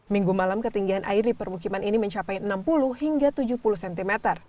minggu malam ketinggian air di permukiman ini mencapai enam puluh hingga tujuh puluh cm